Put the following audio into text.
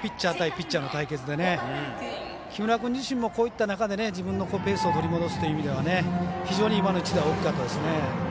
ピッチャー対ピッチャーの対決で木村君自身もこういった中で自分のペースを取り戻すという意味では非常に今の一打が大きかったですね。